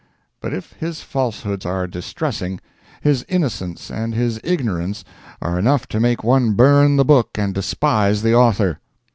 But if his falsehoods are distressing, his innocence and his ignorance are enough to make one burn the book and despise the author.